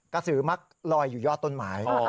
สือมักลอยอยู่ยอดต้นไม้